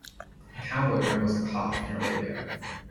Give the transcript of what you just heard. A cowboy wrangles a calf in a rodeo.